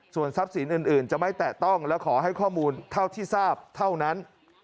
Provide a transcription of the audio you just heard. ส่วนทรัพย์สินอื่นจะไม่แตะต้องและขอให้ข้อมูลเท่าที่ทราบเท่านั้น